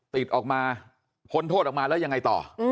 ติดออกมาพ้นโทษออกมาแล้วยังไงต่อ